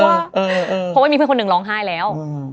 เพราะว่ามีเพื่อนคนหนึ่งร้องไห้แล้ว